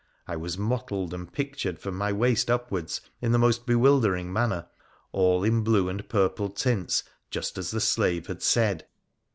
I was mottled and pictured, from my waist upwards, in the most bewildering manner, all in blue and purple tints, just as the slave had said.